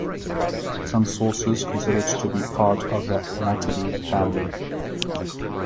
Some sources consider it to be part of the Anatidae family.